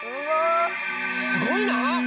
すごいなあ！